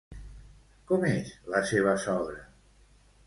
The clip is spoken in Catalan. Com és la seva sogra?